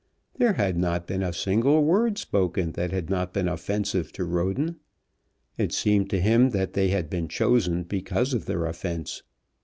There had not been a single word spoken that had not been offensive to Roden. It seemed to him that they had been chosen because of their offence.